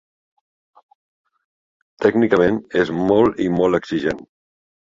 Tècnicament és molt i molt exigent.